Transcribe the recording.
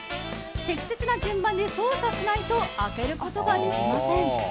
適切な順番で操作しないと開けることができません。